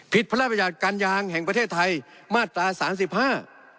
ผิดพระราชการยางแห่งประเทศไทยมาตราสามสิบห้า